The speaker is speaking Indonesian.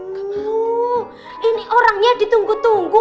gak perlu ini orangnya ditunggu tunggu